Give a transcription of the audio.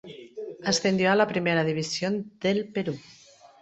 Ascendió a la Primera División del Perú.